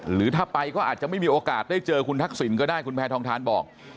หรือถ้าไปก็อาจจะไม่มีโอกาสได้เจอคุณทักษิณก็ได้คุณแพทองทานบอก